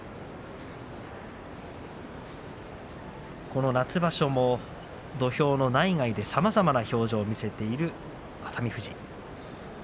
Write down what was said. この夏場所も土俵の内外でさまざまな表情を見せている熱海富士。